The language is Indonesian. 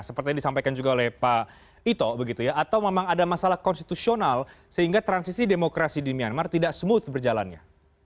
seperti yang disampaikan juga oleh pak ito begitu ya atau memang ada masalah konstitusional sehingga transisi demokrasi di myanmar tidak smooth berjalannya